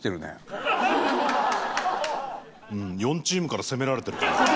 ４チームから攻められてる感じ。